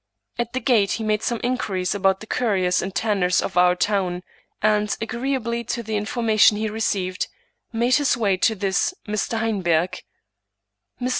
At the gate he made some inquiries about the curriers and tanners of our town ; and, agreeably to the information he received, made his way to this Mr. Heinberg. Mr.